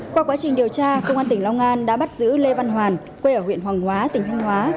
qua quá trình điều tra công an tỉnh long an đã bắt giữ lê văn hoàn quê ở huyện hoàng hóa tỉnh thanh hóa